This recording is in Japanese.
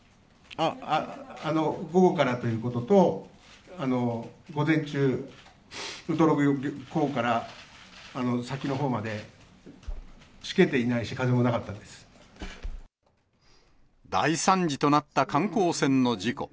午後からということと、午前中、ウトロ漁港から先のほうまで、しけていないし、風もなかったで大惨事となった観光船の事故。